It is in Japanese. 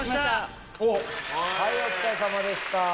はいお疲れさまでした。